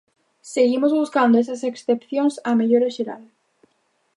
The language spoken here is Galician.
Seguimos buscando esas excepcións á mellora xeral.